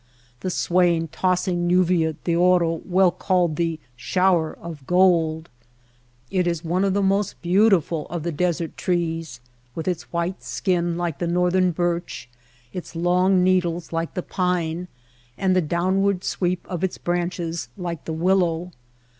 The swaying tossing lluvia d'oro, well called the ^' shower of gold "! It is one of the most beau tiful of the desert trees with its white skin like the northern birch, its long needles like the pine, and the downward sweep of its branches like the willow.